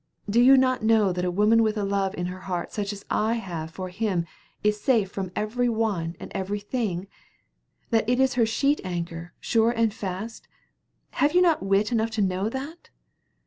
Do you not know that a woman with a love in her heart such as I have for him is safe from every one and everything? That it is her sheet anchor, sure and fast? Have you not wit enough to know that?"